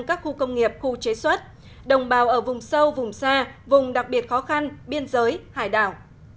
các khu công nghiệp khu chế xuất đồng bào ở vùng sâu vùng xa vùng đặc biệt khó khăn biên giới hải đảo